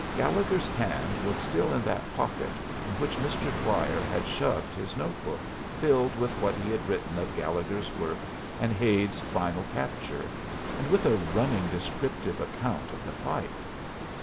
Gallegher's hand was still in that pocket in which Mr. Dwyer had shoved his notebook filled with what he had written of Gallegher's work and Hade's final capture, and with a running descriptive account of the fight.